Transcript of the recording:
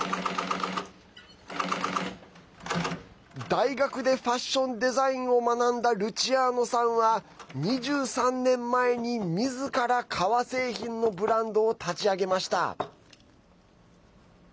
大学でファッションデザインを学んだルチアーノさんは２３年前に、みずから革製品のブランドを立ち上げました。